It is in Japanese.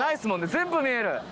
全部見える。